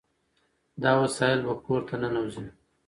دا وسایل به کور ته ننوځي.